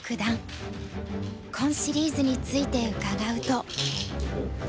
今シリーズについて伺うと。